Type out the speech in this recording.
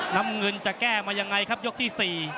น้ำเงินจะแก้มายังไงครับยกที่๔